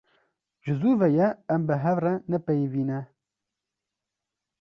Ji zû ve ye em bi hev re nepeyivîne.